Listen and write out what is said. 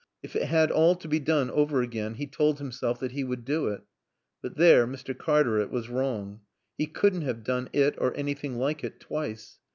If it had all to be done over again, he told himself that he would do it. But there Mr. Cartaret was wrong. He couldn't have done it or anything like it twice.